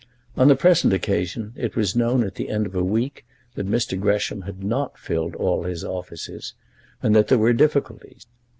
On the present occasion it was known at the end of a week that Mr. Gresham had not filled all his offices, and that there were difficulties.